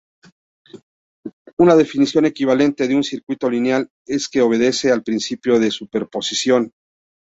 Una definición equivalente de un circuito lineal es que obedece al principio de superposición.